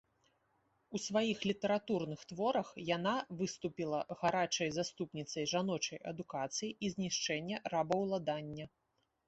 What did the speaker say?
У сваіх літаратурных творах яна выступіла гарачай заступніцай жаночай адукацыі і знішчэння рабаўладання.